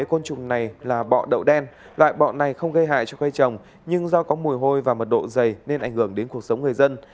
loại bọ đậu đen loại bọ này không gây hại cho cây trồng nhưng do có mùi hôi và mật độ dày nên ảnh hưởng đến cuộc sống người dân